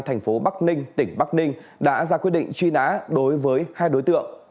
thành phố bắc ninh tỉnh bắc ninh đã ra quyết định truy nã đối với hai đối tượng